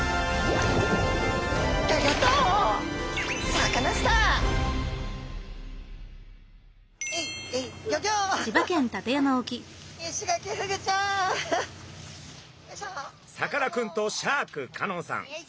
さかなクンとシャーク香音さん